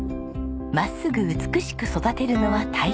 真っすぐ美しく育てるのは大変。